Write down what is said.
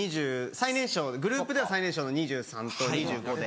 グループでは最年少の２３と２５で。